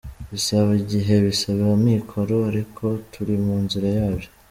Bisaba igihe, bisaba amikoro, ariko turi mu nzira yabyo.